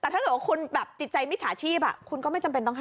แต่ถ้าเกิดว่าคุณแบบจิตใจมิจฉาชีพคุณก็ไม่จำเป็นต้องให้